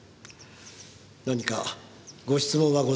何かご質問はございますか？